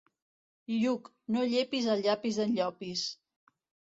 Lluc, no llepis el llapis d'en Llopis.